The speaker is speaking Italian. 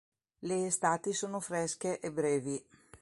Le estati sono fresche e brevi.